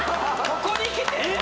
ここにきて！？